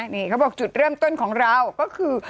นี่เขาบอกจุดเริ่มต้นของเราก็คือ